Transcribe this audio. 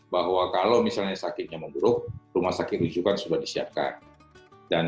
bahwa kalau misalnya sakitnya memburuk rumah sakit rujukan sudah disiapkan